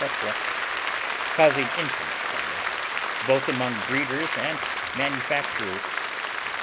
—causing infinite trouble, both among breeders and manufacturers.